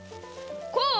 こう？